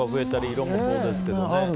色もそうですけどね。